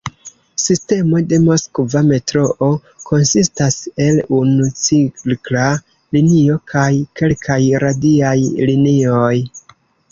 Sistemo de Moskva metroo konsistas el unu cirkla linio kaj kelkaj radiaj linioj.